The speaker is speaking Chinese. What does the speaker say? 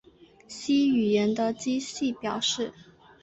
C 语言的机器表示